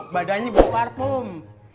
badannya bau parfum